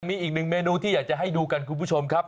มีอีกหนึ่งเมนูที่อยากจะให้ดูกันคุณผู้ชมครับ